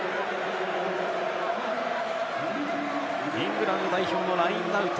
イングランド代表のラインアウト。